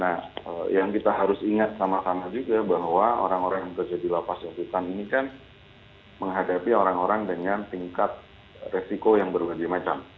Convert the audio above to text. nah yang kita harus ingat sama sama juga bahwa orang orang yang kerja di lapas dan hutan ini kan menghadapi orang orang dengan tingkat resiko yang berbagai macam